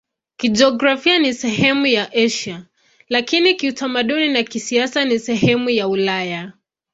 Kijiografia ni sehemu ya Asia, lakini kiutamaduni na kisiasa ni sehemu ya Ulaya.